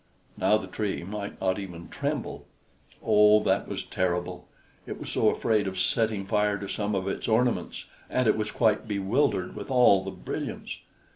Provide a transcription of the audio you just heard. Now the Tree might not even tremble. Oh, that was terrible! It was so afraid of setting fire to some of its ornaments, and it was quite bewildered with all the brilliance.